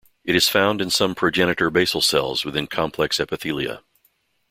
It is found in some progenitor basal cells within complex epithelia.